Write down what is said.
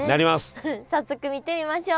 早速見てみましょう。